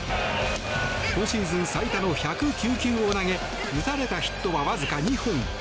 今シーズン最多の１０９球を投げ打たれたヒットはわずか２本。